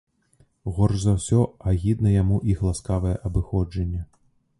Горш за ўсё агідна яму іх ласкавае абыходжанне.